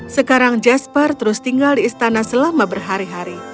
sekarang jasper terus tinggal di istana selama berhari hari